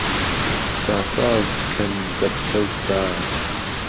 با ساز پکەن دهسکه و سار